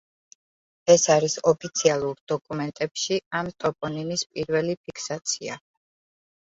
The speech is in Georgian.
ეს არის ოფიციალურ დოკუმენტებში ამ ტოპონიმის პირველი ფიქსაცია.